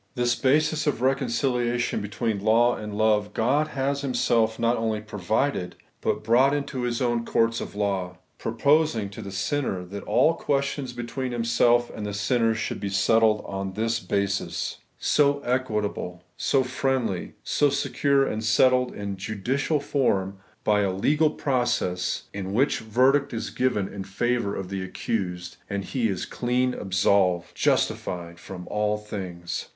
This basis of reconciliation between law and love Ood has Himself not only provided, but brought into His own courts of law ; proposing to the sinner that all the questions between Himself and the sinner should be settled on this basis, — so equitable, so friendly, so secure; and settled in judicial form, by a legal process, in which verdict is given in favour of the accused, and he is clean absolved, — 'justified from all things.'